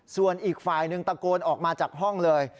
ส่วนอีกฝ่ายหนึ่งตะโกนออกมาจากห้องเลย